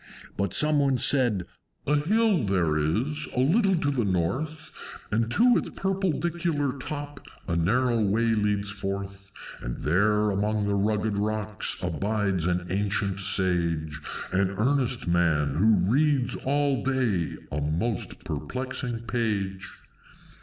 But some one said, "A hill there is, a little to the north, And to its purpledicular top a narrow way leads forth; And there among the rugged rocks abides an ancient Sage, An earnest Man, who reads all day a most perplexing page.